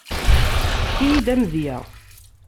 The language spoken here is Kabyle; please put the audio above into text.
Efket-iyi-d amedya.